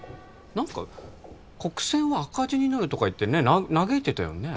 何か国選は赤字になるとか言ってね嘆いてたよね？